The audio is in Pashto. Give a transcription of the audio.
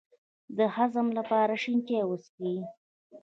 د هضم لپاره شین چای وڅښئ